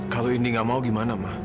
kalau indi nggak mau gimana ma